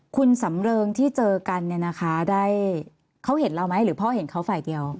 คุณสำเริงที่เจอกันเนี่ยนะคะได้เขาเห็นเราไหมหรือพ่อเห็นเขาฝ่ายเดียว